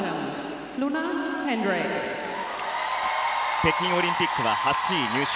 北京オリンピックは８位入賞。